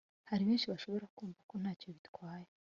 hari benshi bashobora kumva ko nta cyo bitwaye